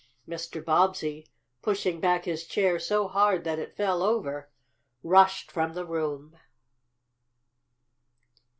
Mr. Bobbsey, pushing back his chair so hard that it fell over, rushed from the room.